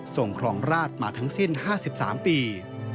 ครองราชมาทั้งสิ้น๕๓ปี